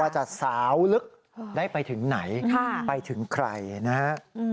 จะสาวลึกได้ไปถึงไหนไปถึงใครนะฮะ